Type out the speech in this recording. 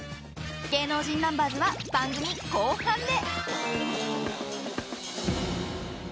芸能人ナンバーズは番組後半で。